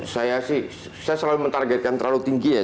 saya sih saya selalu mentargetkan terlalu tinggi ya